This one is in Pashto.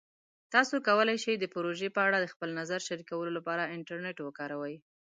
تاسو کولی شئ د پروژې په اړه د خپل نظر شریکولو لپاره انټرنیټ وکاروئ.